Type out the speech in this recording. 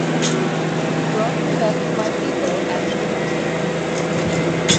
He brought me back to my people and to himself.